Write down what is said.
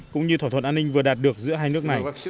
cũng như thỏa thuận an ninh vừa đạt được giữa hai nước này